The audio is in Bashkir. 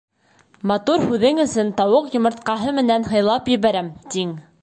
Матур һүҙең өсөн тауыҡ йомортҡаһы менән һыйлап ебәрәм, тиң.